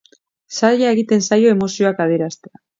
Zaila egiten zaio emozioak adieraztea.